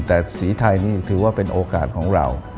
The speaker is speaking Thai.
แต่สีไทยนี่ถือว่าเป็นโอกาสของเรา